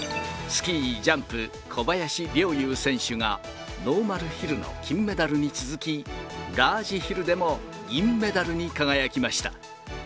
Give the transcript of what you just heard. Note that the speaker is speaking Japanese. スキージャンプ、小林陵侑選手が、ノーマルヒルの金メダルに続き、ラージヒルでも銀メダルに輝きました。